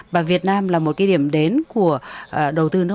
và việt nam là một cái điểm đến của đầu tư nước